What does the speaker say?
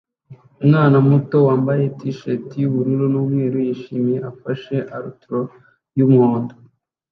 Umwana muto wambaye t-shati yubururu numweru yishimye afashe alligator yumuhondo